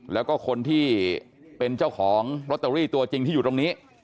แล้วก็คนที่เป็นเจ้าของลอตเตอรี่ตัวจริงที่อยู่ตรงนี้